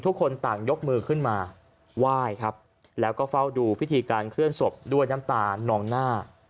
ทุกคนต่างยกมือขึ้นมาไหว้ครับแล้วก็เฝ้าดูพิธีการเคลื่อนศพด้วยน้ำตานองหน้า